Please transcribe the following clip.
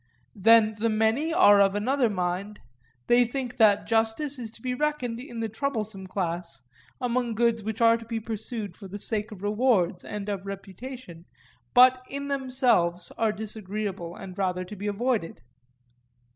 Then the many are of another mind; they think that justice is to be reckoned in the troublesome class, among goods which are to be pursued for the sake of rewards and of reputation, but in themselves are disagreeable and rather to be avoided.